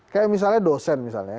kayak misalnya dosen misalnya